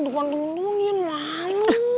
dekat nungguin lah lu